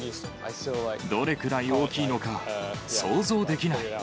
どれくらい大きいのか、想像できない。